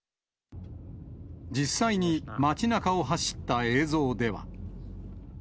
実際に町なかを走った映像では。